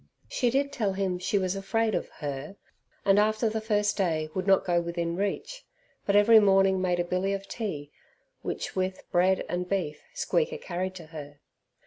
She did tell him she was afraid of "her", and after the first day would not go within reach, but every morning made a billy of tea, which with bread and beef Squeaker carried to her.